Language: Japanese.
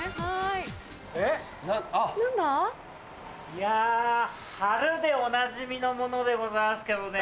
いや貼るでおなじみのものでございますけどね。